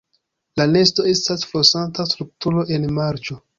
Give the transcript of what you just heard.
La nesto estas flosanta strukturo en marĉo.